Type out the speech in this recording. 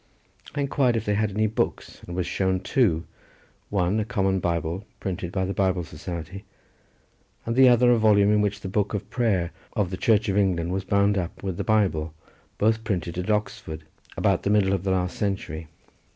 I inquired if they had any books, and was shown two, one a common Bible printed by the Bible Society, and the other a volume in which the Book of Prayer of the Church of England was bound up with the Bible, both printed at Oxford, about the middle of the last century.